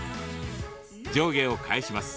上下を返します。